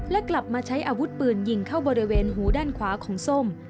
และกลับมาใช้อาวุธปืนยิงเข้าบริเวณหูด้านขวาของส้ม